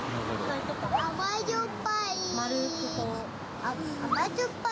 甘じょっぱい。